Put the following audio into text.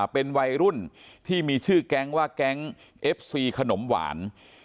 เป็นวัยรุ่นที่มีชื่อแก๊งว่าแก๊งเอฟซีขนมหวาน